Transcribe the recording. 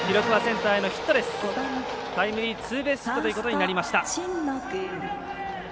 タイムリーツーベースヒットということになりました。